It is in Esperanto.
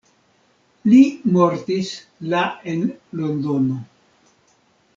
Li mortis la en Londono.